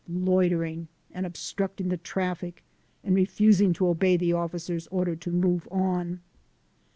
"Loitering and obstructing the traffic, and refus ing to obey the officer's order to move on."